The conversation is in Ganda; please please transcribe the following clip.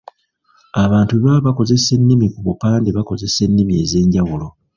Abantu bwebaba bakozesa ennimi ku bupande bakozesa ennimi ez'enjawulo.